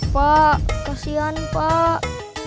pak kasihan pak